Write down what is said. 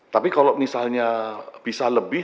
tapi kalau misalnya bisa lebih